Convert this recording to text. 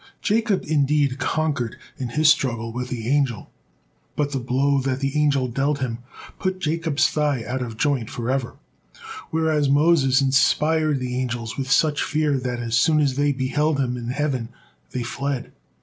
Jacob indeed conquered in his struggle with the angel, but the blow that the angel dealt him put Jacob's thigh out of joint forever, whereas Moses inspired the angels with such fear that as soon as they beheld him in heaven, they fled.